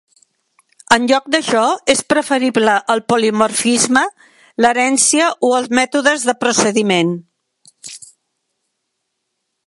En lloc d'això, es preferible el polimorfisme, l'herència o els mètodes de procediment.